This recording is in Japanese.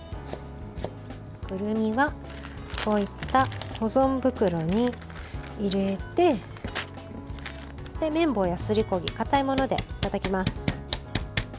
くるみはこういった保存袋に入れて麺棒や、すりこ木硬いものでたたきます。